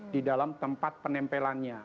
di dalam tempat penempelannya